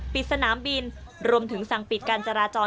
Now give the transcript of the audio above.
ปิดสนามบินรวมถึงสั่งปิดการจราจร